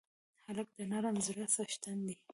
هلک د نرم زړه څښتن دی.